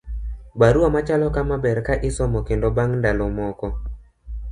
barua machalo kama ber ka isomo kendo bang' ndalo moko